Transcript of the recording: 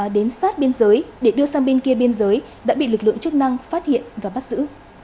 đến sát biên giới để đưa sang bên kia biên giới đã bị lực lượng chức năng phát hiện và bắt giữ